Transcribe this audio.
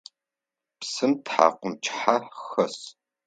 Псым тхьакӏумкӏыхьэ хэс.